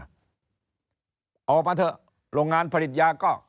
ออกมาเถอะโรงงานผลิตยาก็